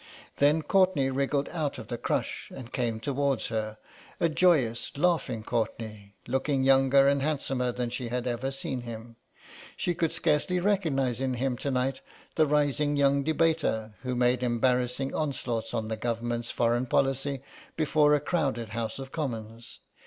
Then Courtenay wriggled out of the crush and came towards her, a joyous laughing Courtenay, looking younger and handsomer than she had ever seen him. She could scarcely recognise in him to night the rising young debater who made embarrassing onslaughts on the Government's foreign policy before a crowded House of Commons.